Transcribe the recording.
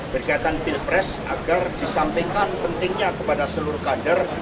berkaitan pilpres agar disampaikan pentingnya kepada seluruh kader